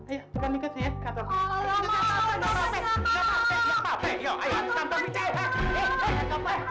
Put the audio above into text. ayo pegang tattoo karta sudah kami kasih yah